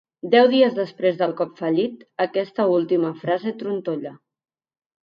Deu dies després del cop fallit, aquesta última frase trontolla.